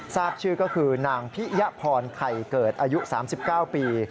ทราบชื่อก็คือนางพิยพรไข่เกิดอายุ๓๙ปี